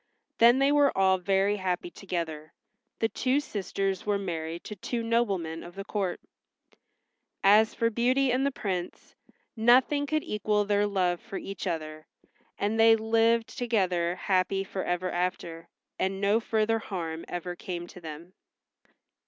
Then they were all very happy together. The two sisters were married to two noblemen of the court. As for Beauty and the Prince, nothing could equal their love for each other, and they lived together happy forever after, and no further harm ever came to them.